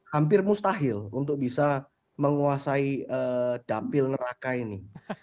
hampir mustahil untuk bisa menguasai dapil neraka ini